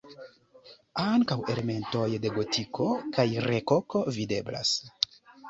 Ankaŭ elementoj de gotiko kaj rokoko videblas.